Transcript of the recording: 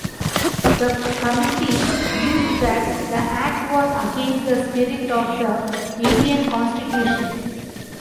The committee viewed that the act was against the spirit of the Indian Constitution.